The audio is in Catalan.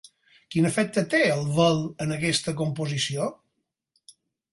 Quin efecte té el vel en aquesta composició?